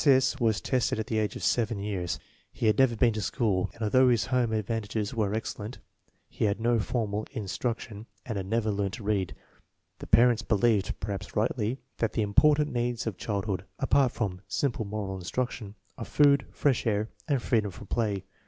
S. S. was tested at the age of seven years. He had never been to school, and although his home advan tages were excellent, he had had no formal instruction and had never learned to read. The parents believed, perhaps rightly, that the important needs of child hood, apart from simple moral instruction, are food, fresh air, and freedom for play.